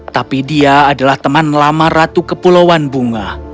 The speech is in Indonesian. tapi dia adalah teman lama ratu kepulauan bunga